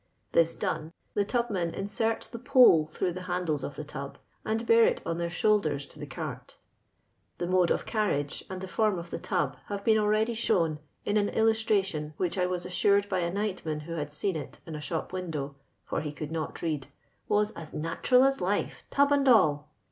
This done, the tubmen insert the pole through the handles of the tub, and bear it on their shoulders to the cart Tlie mode of ' carriage and the form of the tab have been already shown in an illustration, which I was assured by a nightman who ha<l seen it in a shopwindow (for ho could not read), was " as nat'ral as life, tub and all."